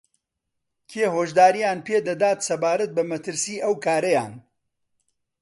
کێ هۆشدارییان پێدەدات سەبارەت بە مەترسیی ئەو کارەیان